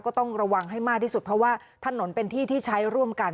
ก็ต้องระวังให้มากที่สุดเพราะว่าถนนเป็นที่ที่ใช้ร่วมกัน